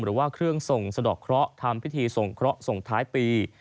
หรือว่าเครื่องส่งสะดอกเคราะห์ทำพิธีส่งเคราะห์ส่งท้ายปี